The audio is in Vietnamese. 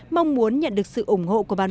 mong muốn nhận được sự ủng hộ